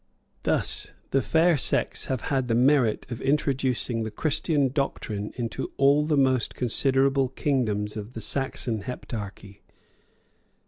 Thus the fair sex have had the merit of introducing the Christian doctrine into all the most considerable kingdoms of the Saxon Heptarchy.